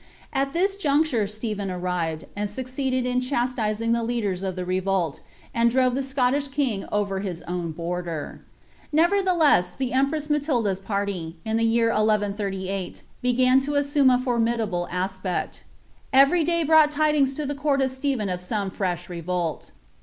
At lliil juncture Stephen arrived, uid lucceeded in chastising the Ic&den of the revolt, and drove the Scottish king over his own border. Nercrthelc« the empress Matilda's parly, in the year 1 138, began to assume n fbrm^ dable aspecL Every day brought tidings to the court of Stephej) uf aooe fresh revolt.